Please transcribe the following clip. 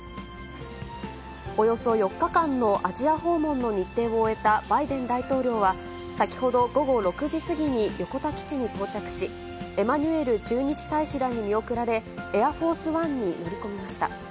およそ４日間のアジア訪問の日程を終えたバイデン大統領は、先ほど午後６時過ぎに横田基地に到着し、エマニュエル駐日大使らに見送られ、エアフォースワンに乗り込みました。